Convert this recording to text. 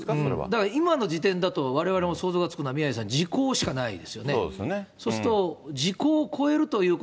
だから今の時点だと、われわれも想像がつくのは、宮根さん、時効しかないですよね。